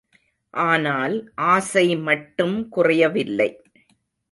ஆனால் ஆசை மட்டும் குறையவில்லை.